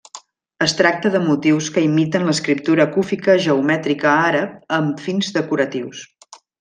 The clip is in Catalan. Es tracta de motius que imiten l’escriptura cúfica geomètrica àrab amb fins decoratius.